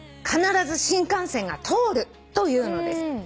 必ず新幹線が通ると言うのです」